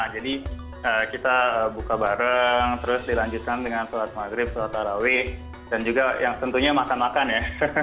jadi kita buka bareng terus dilanjutkan dengan sholat maghrib sholat arawi dan juga yang tentunya makan makan ya